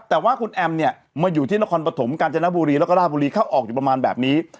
แต่ว่าคุณแอมเนี่ยมาอยู่ที่นครปฐมกาญจนบุรีแล้วก็ราบุรีเข้าออกอยู่ประมาณแบบนี้